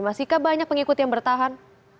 masihkah banyak pengikut yang bertahan